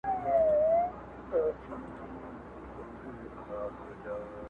له کچکول سره فقېر را سره خاندي،